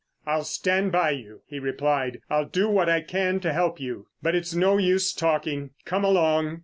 "I'll stand by you," he replied. "I'll do what I can to help you. But it's no use talking. Come along!"